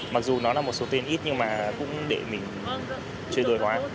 mặc dù nó là một số tiền ít nhưng mà cũng để mình chuyển đổi khoản